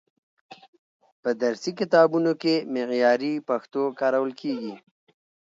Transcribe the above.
په درسي کتابونو کې معیاري پښتو کارول کیږي.